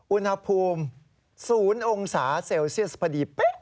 อุณหภูมิ๐องศาเซลเซียสพอดีเป๊ะ